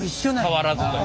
変わらずと。